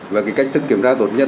và cái cách thức kiểm tra tốt nhất